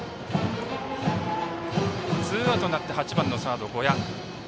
ツーアウトになって８番のサード、呉屋。